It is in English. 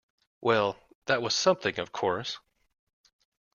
Well, that was something, of course.